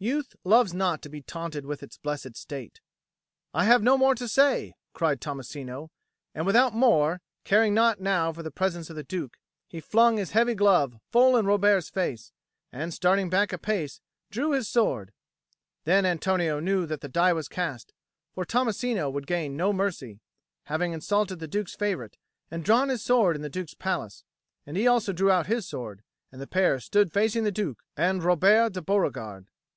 Youth loves not to be taunted with its blessed state. "I have no more to say," cried Tommasino; and without more, caring naught now for the presence of the Duke, he flung his heavy glove full in Robert's face, and, starting back a pace, drew his sword. Then Antonio knew that the die was cast, for Tommasino would gain no mercy, having insulted the Duke's favourite and drawn his sword in the Duke's palace; and he also drew out his sword, and the pair stood facing the Duke and Robert de Beauregard.